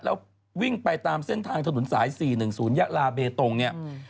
แล้ววิ่งไปตามเส้นทางถนนสาย๔๑๐ยะลาเบตงเนี่ย